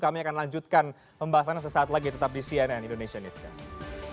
kami akan lanjutkan pembahasannya sesaat lagi tetap di cnn indonesia newscast